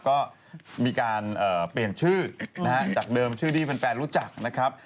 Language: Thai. ก็มีการเปลี่ยนชื่อนะฮะจากเดิมชื่อที่แฟนรู้จักนะครับ